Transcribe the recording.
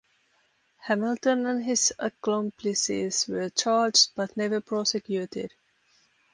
Hamilton and his accomplices were charged, but never prosecuted.